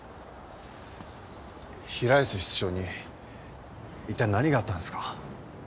平安室長に一体何があったんですか？